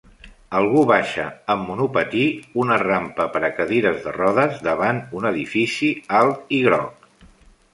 Algú baixa amb monopatí una rampa per a cadires de rodes davant un edifici alt i groc.